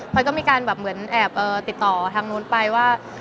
พ่อยก็มีการแอบติดต่อทางนู้นไปว่า